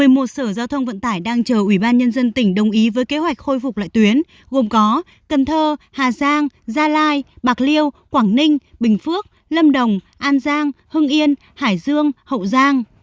một sở giao thông vận tải đang chờ ubnd tỉnh đồng ý với kế hoạch khôi phục lại tuyến gồm có cần thơ hà giang gia lai bạc liêu quảng ninh bình phước lâm đồng an giang hưng yên hải dương hậu giang